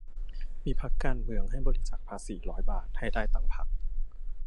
มีพรรคการเมืองให้บริจาคภาษีร้อยบาทให้ได้ตั้ง พรรค